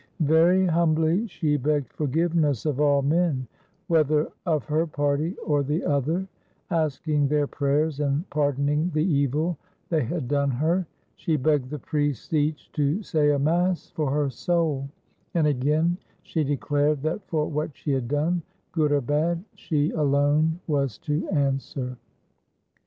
Very humbly, she begged forgiveness of all men, whether of her party or the other, asking their prayers and pardoning the evil they had done her. She begged the priests each to say a mass for her soul, and again she declared that for what she had done, good or bad, she alone was to answer.